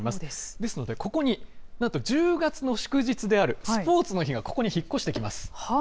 ですのでここに、なんと１０月の祝日であるスポーツの日がここに引っ越してきます。